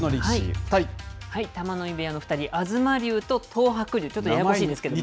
玉ノ井部屋の２人、東龍と、東白龍、ちょっとややこしいですけど。